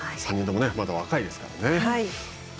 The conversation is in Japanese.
３人ともまだ若いですからね。